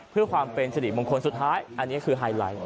เพื่อความเป็นสิริมงคลสุดท้ายอันนี้คือไฮไลท์